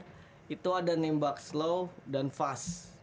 standar itu ada nembak slow dan fast